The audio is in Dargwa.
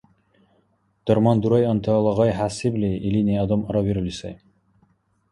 Дарман дурайантала гъай хӀясибли, илини адам аравирули сай